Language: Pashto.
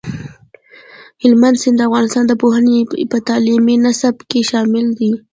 هلمند سیند د افغانستان د پوهنې په تعلیمي نصاب کې شامل دی.